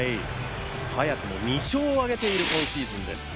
早くも２勝を挙げている今シーズンです。